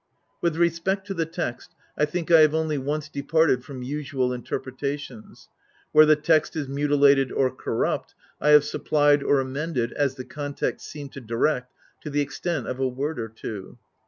With respect to the text, I think I have only once departed from usual interpretations. Where the text is mutilated or corrupt I have supplied or amended, as the context seemed to direct, to the extent of a word or two.